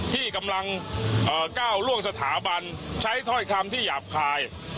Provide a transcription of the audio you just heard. ที่กำลังก้าวล่วงสถาบันใช้ถ้อยคำที่หยาบคาย